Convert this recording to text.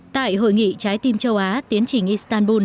tại hội nghị trái tim châu á tiến trình istanbul